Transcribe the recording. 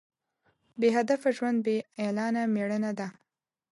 بې هدفه ژوند بې اعلانه مړینه ده.